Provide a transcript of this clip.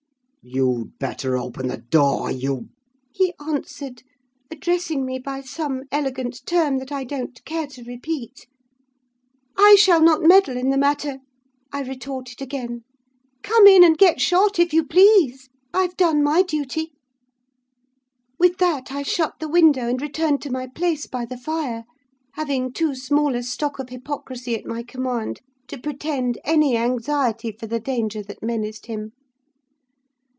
"'You'd better open the door, you—' he answered, addressing me by some elegant term that I don't care to repeat. "'I shall not meddle in the matter,' I retorted again. 'Come in and get shot, if you please. I've done my duty.' "With that I shut the window and returned to my place by the fire; having too small a stock of hypocrisy at my command to pretend any anxiety for the danger that menaced him.